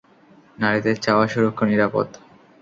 নারীদের চাওয়া সুরক্ষা, নিরাপত্তা।